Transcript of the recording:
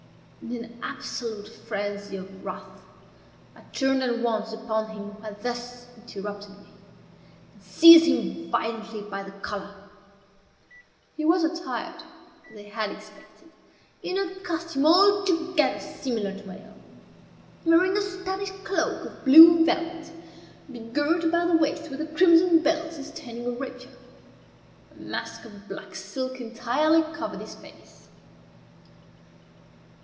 In an absolute frenzy of wrath, I turned at once upon him who had thus interrupted me, and seized him violently by the collar. He was attired, as I had expected, in a costume altogether similar to my own; wearing a Spanish cloak of blue velvet, begirt about the waist with a crimson belt sustaining a rapier. A mask of black silk entirely covered his face.